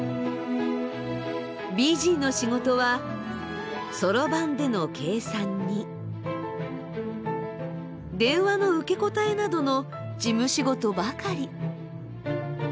ＢＧの仕事はそろばんでの計算に電話の受け答えなどの事務仕事ばかり。